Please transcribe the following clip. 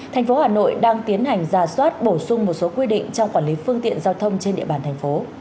thành phố hà nội đang tiến hành giả soát bổ sung một số quy định trong quản lý phương tiện giao thông trên địa bàn thành phố